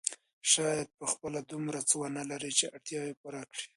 شاید په خپله دومره څه ونه لري چې اړتیاوې پوره کړي.